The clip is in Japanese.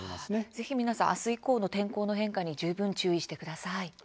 ぜひ皆さん、明日以降の天候の変化に十分、注意してください。